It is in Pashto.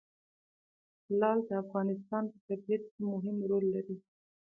لعل د افغانستان په طبیعت کې مهم رول لري.